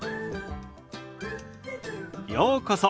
ようこそ。